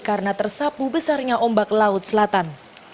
karena tersapu besarnya ombak laut selatan